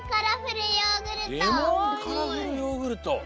レモンカラフルヨーグルト？